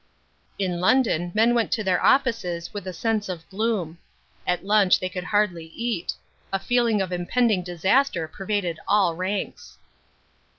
In London men went to their offices with a sense of gloom. At lunch they could hardly eat. A feeling of impending disaster pervaded all ranks.